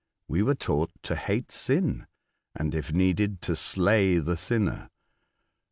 We were taught to hate sin, and, if needed, to slay the sinner.